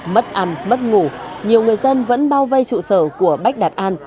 mất ăn mất ngủ nhiều người dân vẫn bao vây trụ sở của bách đạt an